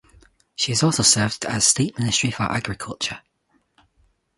She is also served as state minister for agriculture.